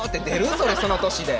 それその年で。